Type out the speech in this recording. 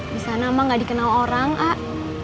disana emak gak dikenal orang ah